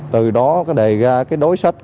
từ đó đề ra đối sách